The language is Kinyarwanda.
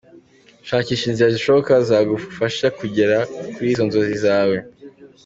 Shakisha inzira zishoboka zagufasha kugera kuri izi nzozi zawe.